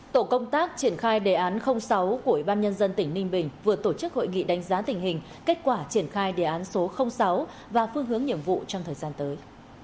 tổ công tác triển khai đề án sáu của ủy ban nhân dân tỉnh ninh bình vừa tổ chức hội nghị đánh giá tình hình kết quả triển khai đề án số sáu và phương hướng nhiệm vụ trong thời gian tới